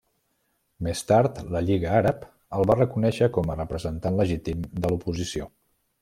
Més tard, la Lliga Àrab el va reconèixer com a representant legítim de l'oposició.